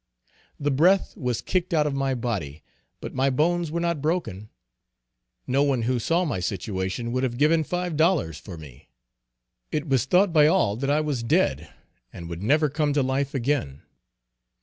The breath was kicked out of my body, but my bones were not broken. No one who saw my situation would have given five dollars for me. It was thought by all that I was dead and would never come to life again.